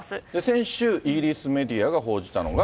先週、イギリスメディアが報じたのが。